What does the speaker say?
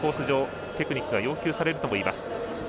上テクニックが要求されると思います。